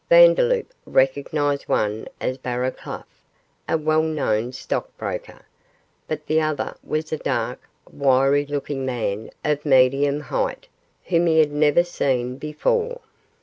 Vandeloup recognised one as Barraclough, a well known stockbroker, but the other was a dark, wiry looking man of medium height, whom he had never seen before.